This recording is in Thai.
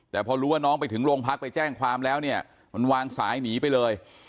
แต่พอรู้ว่าน้องไปถึงโรงพักไปแจ้งความแล้วเนี่ยมันวางสายหนีไปเลย